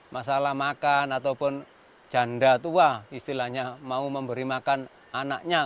masalah makan ataupun janda tua istilahnya mau memberi makan anaknya